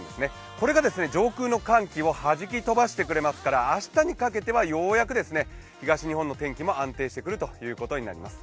これが上空の寒気をはじき飛ばしてくれますから明日にかけては、ようやく東日本の天気も安定してくることになります。